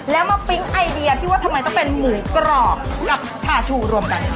แล้วมาปิ๊งไอเดียที่ว่าทำไมต้องเป็นหมูกรอบกับชาชูรวมกัน